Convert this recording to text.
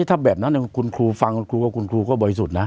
ถ้าแบบนั้นคุณครูฟังคุณครูก็บ่อยสุดนะ